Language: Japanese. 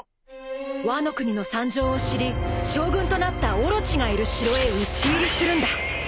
［ワノ国の惨状を知り将軍となったオロチがいる城へ討ち入りするんだ］